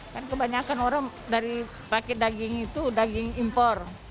kan kebanyakan orang dari paket daging itu daging impor